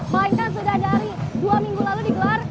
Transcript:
melainkan sudah dari dua minggu lalu digelar